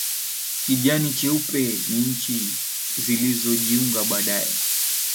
Kijani cheupe ni nchi zilizojiunga baadaye